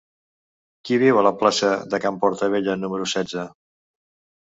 Qui viu a la plaça de Can Portabella número setze?